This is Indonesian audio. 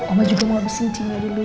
oma juga mau habisin cinta dulu ya